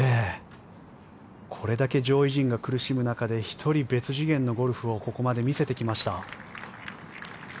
これだけ上位陣が苦しむ中で１人、別次元のゴルフをここまで見せてきました。